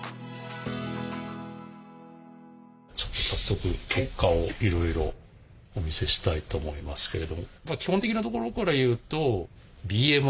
ちょっと早速結果をいろいろお見せしたいと思いますけれど。